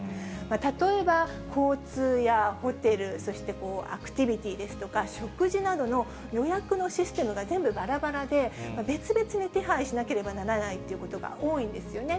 例えば、交通やホテル、そしてアクティビティですとか、食事などの予約のシステムが全部ばらばらで、別々に手配しなければならないということが多いんですよね。